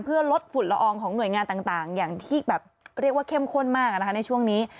เพื่อลดฝุ่นละอองของหน่วยงานต่างอย่างที่แบบเรียกว่าเข้มข้นมากในช่วงนี้